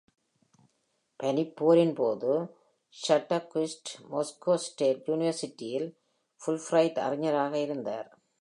பனிப்போரின் போது, Soderquist Moscow State Universityஇல் Fulbright அறிஞராக இருந்தார்.